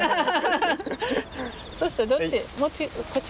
そしたらどっち？